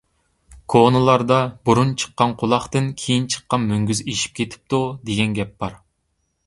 كونىلاردا: «بۇرۇن چىققان قۇلاقتىن، كېيىن چىققان مۈڭگۈز ئېشىپ كېتىپتۇ» دېگەن گەپ بار.